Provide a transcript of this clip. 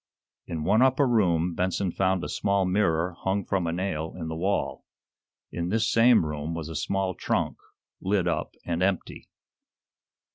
In one upper room Benson found a small mirror hung from a nail in the wall. In this same room was a small trunk, lid up and empty.